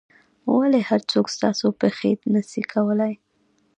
ولي هر څوک ستاسو پېښې نه سي کولای؟